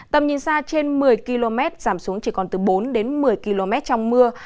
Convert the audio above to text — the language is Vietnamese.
tầm nhìn xa trên một mươi km giảm xuống chỉ còn từ bốn đến một mươi km trong mưa